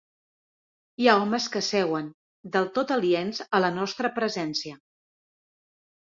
Hi ha homes que seuen, del tot aliens a la nostra presència.